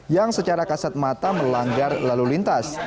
yang secara kasat mata melanggar lalu lintas